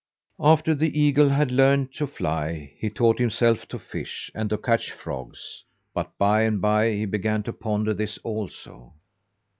After the eagle had learned to fly, he taught himself to fish, and to catch frogs. But by and by he began to ponder this also.